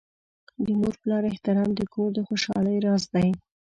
د مور پلار احترام د کور د خوشحالۍ راز دی.